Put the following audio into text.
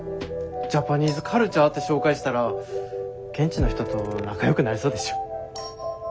ジャパニーズカルチャーって紹介したら現地の人と仲よくなれそうでしょ？